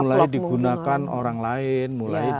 mulai digunakan orang lain